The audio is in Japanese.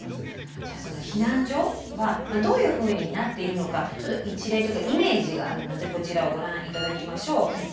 じゃあその避難所はどういうふうになっているのかちょっと一例というかイメージがあるのでこちらをご覧頂きましょう。